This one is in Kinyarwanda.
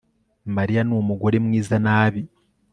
mariya ni umugore mwiza nabi